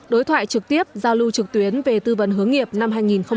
đối thoại trực tiếp giao lưu trực tuyến về tư vấn hướng nghiệp năm hai nghìn hai mươi